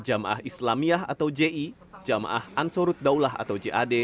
jamaah islamiyah atau ji jamaah ansurut daulah atau jad